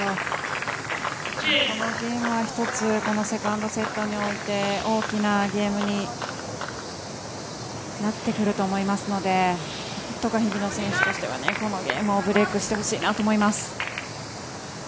このゲームは１つこのセカンドセットにおいて大きなゲームになってくると思いますのでなんとか日比野選手としてはこのゲームをブレークしてほしいなと思います。